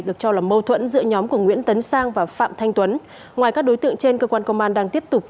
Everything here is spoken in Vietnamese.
được cho là mâu thuẫn giữa nhóm của nguyễn tấn sang và phạm thanh tuấn ngoài các đối tượng trên cơ quan công an đang tiếp tục